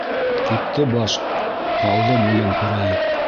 Китте баш, ҡалды муйын һерәйеп.